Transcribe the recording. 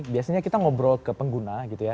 biasanya kita ngobrol ke pengguna gitu ya